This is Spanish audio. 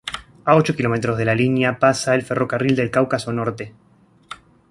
A ocho kilómetros de la localidad pasa el ferrocarril del Cáucaso Norte.